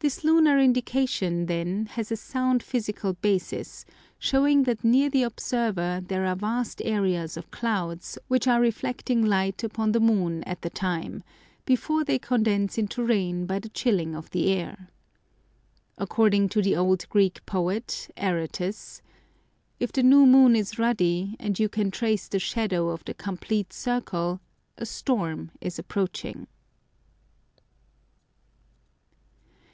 This lunar indication, then, has a sound physical basis, showing that near the observer there are vast areas of clouds, which are reflecting light upon the moon at the time, before they condense into rain by the chilling of the air. According to the old Greek poet, Aratus: "If the new moon is ruddy, and you can trace the shadow of the complete circle, a storm is approaching."